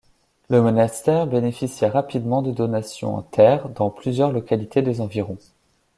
Le monastère bénéficia rapidement de donations en terres dans plusieurs localités des environs.